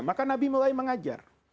maka nabi mulai mengajar